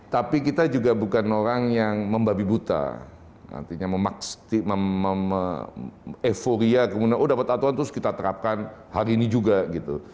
tapi kita juga bukan orang yang membabi buta nantinya memaksa euforia kemudian oh dapat aturan terus kita terapkan hari ini juga gitu